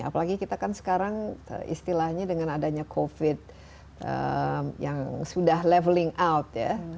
apalagi kita kan sekarang istilahnya dengan adanya covid yang sudah leveling out ya